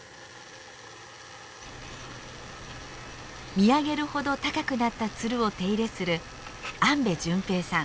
見上げるほど高くなったツルを手入れする安部純平さん。